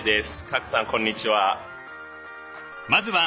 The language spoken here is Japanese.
賀来さんこんにちは。